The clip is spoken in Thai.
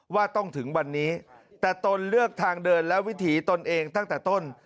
ว่าต้องถึงวันนี้แต่ตนเลือกทางเดินและวิถีตนเองตั้งแต่ต้น